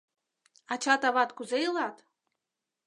— Ачат-ават кузе илат?